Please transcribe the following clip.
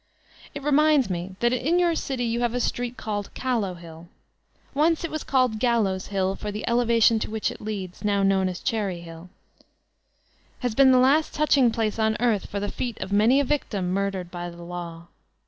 It ronindt me that in your city you have a street called *'Callow hill." Once it was called Gallows' Hill, for the elevation to which it leads, now known as ''Cherry Hill," has been the last touching place on earth for the feet of many a victim murdered by the Law.